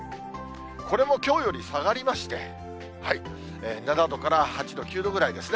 これもきょうより下がりまして、７度から８度、９度ぐらいですね。